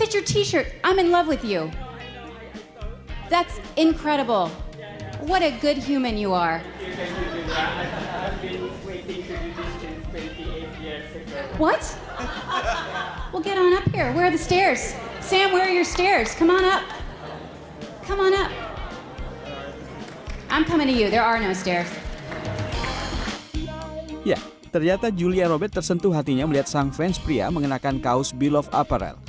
ya ternyata julia roberts tersentuh hatinya melihat sang fans pria mengenakan kaos bill of apparel